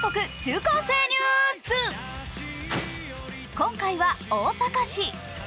今回は大阪市。